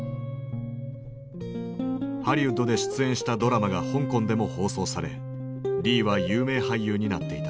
ハリウッドで出演したドラマが香港でも放送されリーは有名俳優になっていた。